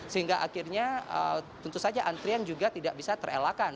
sehingga akhirnya tentu saja antrian juga tidak bisa terelakkan